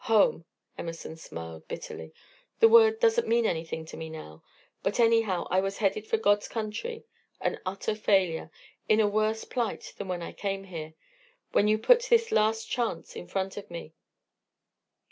Home!" Emerson smiled bitterly. "The word doesn't mean anything to me now, but anyhow I was headed for God's country, an utter failure, in a worse plight than when I came here, when you put this last chance in front of me.